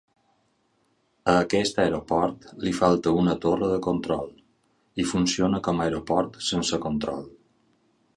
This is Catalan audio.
A aquest aeroport li falta una torre de control i funciona com a aeroport sense control.